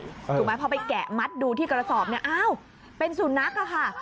ถูกไหมพอไปแกะมัดดูที่กระสอบเป็นสุนัขค่ะ